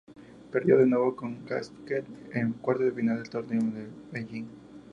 Perdió de nuevo con Gasquet en cuartos de final del Torneo de Beijing.